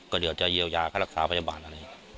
ก็เดี๋ยวจะเยียวยาค่ารักษาพยาบาลอะไร